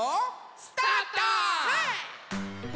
スタート！